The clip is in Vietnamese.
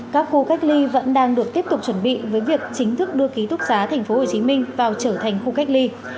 các khu cách ly vẫn đang được tiếp tục chuẩn bị với việc chính thức đưa ký túc xá tp hcm vào trở thành khu cách ly